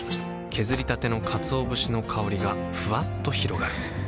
削りたてのかつお節の香りがふわっと広がるはぁ。